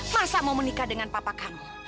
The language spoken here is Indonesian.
masa mau menikah dengan papa kamu